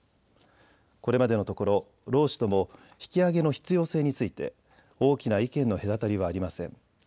これまでのところ労使とも引き上げの必要性について大きな意見の隔たりはありません。